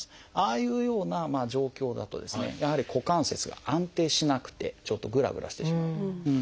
ああいうような状況だとですねやはり股関節が安定しなくてちょっとぐらぐらしてしまう。